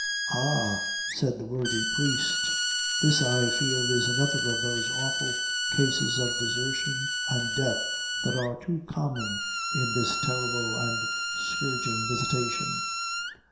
"Ah," said the worthy priest, "this, I fear, is another of those awful cases of desertion and death that are too common in this terrible and scourging visitation.